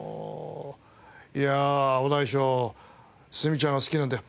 いや青大将澄ちゃんが好きなんだよ。